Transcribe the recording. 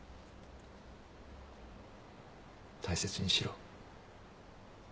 大切にしろ。